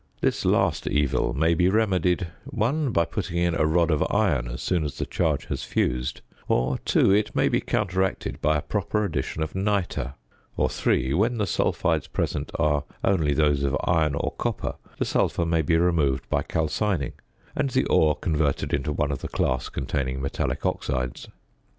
This last evil may be remedied (1) by putting in a rod of iron as soon as the charge has fused, or (2) it may be counteracted by a proper addition of nitre, or (3) when the sulphides present are only those of iron or copper the sulphur may be removed by calcining, and the ore converted into one of the class containing metallic oxides.